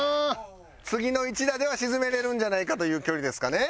次の１打では沈めれるんじゃないかという距離ですかね。